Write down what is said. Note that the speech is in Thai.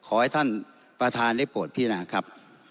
ฮะขอให้ท่านประธานได้ปวดพี่นะครับ